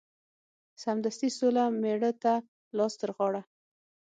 سمدستي سوله مېړه ته لاس ترغاړه